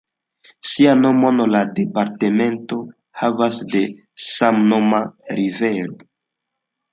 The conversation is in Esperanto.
Sian nomon la departemento havas de samnoma rivero.